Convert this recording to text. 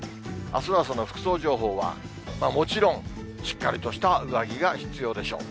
あすの朝の服装情報は、もちろんしっかりとした上着が必要でしょう。